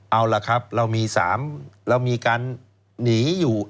เอาละครับเรามีการหนีอยู่